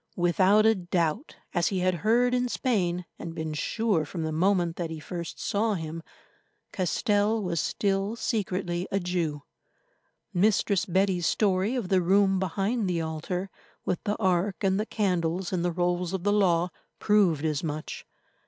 Without a doubt, as he had heard in Spain, and been sure from the moment that he first saw him, Castell was still secretly a Jew. Mistress Betty's story of the room behind the altar, with the ark and the candles and the rolls of the Law, proved as much.